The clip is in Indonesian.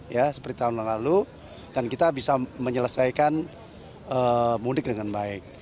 ya seperti tahun lalu dan kita bisa menyelesaikan mudik dengan baik